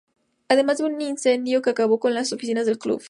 Además de un incendio que acabó con las oficinas del club.